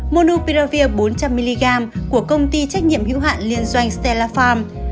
monopiravir bốn trăm linh mg của công ty trách nhiệm hiệu hạn liên doanh stella farm